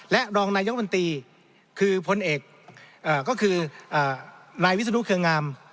และรองนายกรรมนตรีคือพลเอกก็คือนายวิศนุเครืองาม